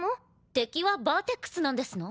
敵はバーテックスなんですの？